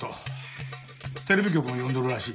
テレビ局も呼んどるらしい。